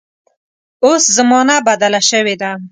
اوس زمانه بدله شوې ده.